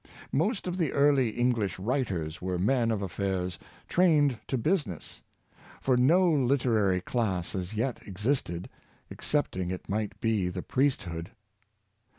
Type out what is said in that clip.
Most of the early English writers were men of af fairs, trained to business; for no literary class as yet existed, excepting it might be the priesthood.